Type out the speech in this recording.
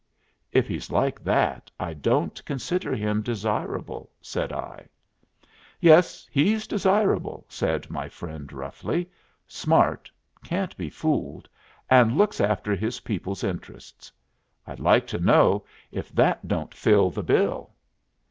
"If he's like that I don't consider him desirable," said I. "Yes, he is desirable," said my friend, roughly. "Smart, can't be fooled, and looks after his people's interests. I'd like to know if that don't fill the bill?"